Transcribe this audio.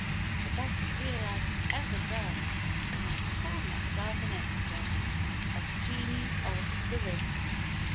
The best seal I've ever done, and I've called myself an expert a Genie of the ring!"